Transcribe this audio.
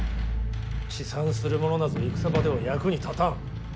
遅参する者なぞ戦場では役に立たん。